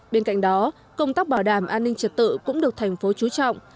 bên cạnh đó công tác bảo đảm an ninh trật tự cũng được thành phố chú trọng